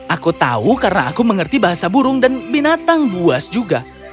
aku tahu karena aku mengerti bahasa burung dan binatang buas juga